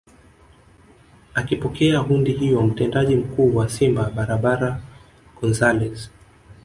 Akipokea hundi hiyo Mtendaji Mkuu wa Simba Barbara Gonzalez